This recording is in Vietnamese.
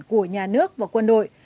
của nhà nước và quân đội